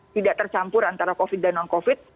tidak tercampur antara covid dan non covid